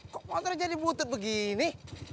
kok motornya jadi butut begini